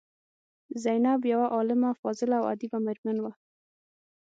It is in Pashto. زینب یوه عالمه، فاضله او ادیبه میرمن وه.